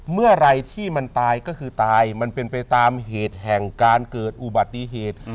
เมื่อไหร่ที่มันตายก็คือตายมันเป็นไปตามเหตุแห่งการเกิดอุบัติเหตุ